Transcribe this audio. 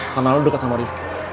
karena lo deket sama rifki